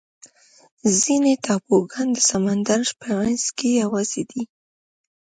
ځینې ټاپوګان د سمندر په منځ کې یوازې دي.